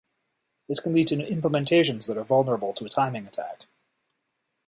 This can lead to implementations that are vulnerable to a timing attack.